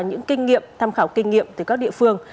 những kinh nghiệm tham khảo kinh nghiệm từ các địa phương